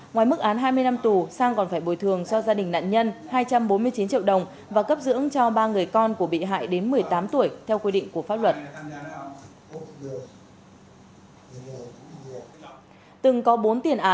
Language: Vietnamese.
ngoài mức án hai mươi năm tù sang còn phải bồi thường cho gia đình nạn nhân hai trăm bốn mươi chín triệu đồng và cấp dưỡng cho ba người con của bị hại đến một mươi tám tuổi theo quy định của pháp luật